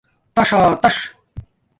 تاݽاتݽ